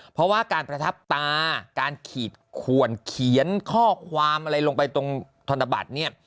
เพราะว่าการประทับตาการขีดขวนเขียนข้อความอะไรลงไปตรงธนบัตรเนี่ย